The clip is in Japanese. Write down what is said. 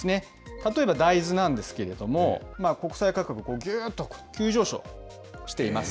例えば大豆なんですけれども、国際価格、ぎゅーっと急上昇しています。